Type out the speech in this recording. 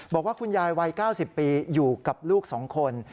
บอกว่าคุณยายวัย๙๐ปีอยู่กับลูก๒คน